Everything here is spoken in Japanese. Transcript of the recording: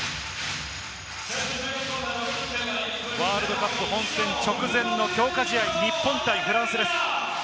ワールドカップ本戦直前の強化試合、日本対フランスです。